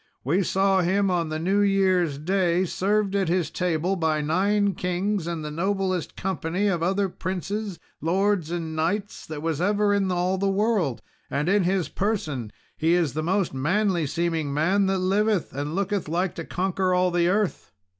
We saw him on the new year's day, served at his table by nine kings, and the noblest company of other princes, lords, and knights that ever was in all the world; and in his person he is the most manly seeming man that liveth, and looketh like to conquer all the earth."